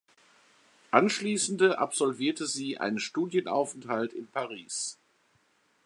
Anschliessende absolvierte sie einen Studienaufenthalt in Paris.